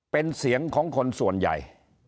เป็นเสียงของคนส่วนใหญ่